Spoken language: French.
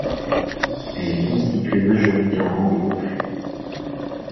Elle est constituée majoritairement des Mofu.